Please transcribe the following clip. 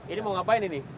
ini mau ngapain ini